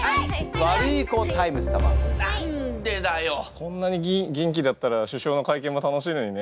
こんなに元気だったら首相の会見も楽しいのにね。